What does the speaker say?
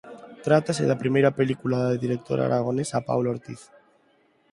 Trátase da primeira película da directora aragonesa Paula Ortiz.